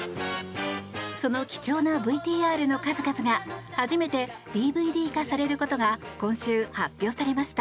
その貴重なＶＴＲの数々が初めてＤＶＤ化されることが今週発表されました。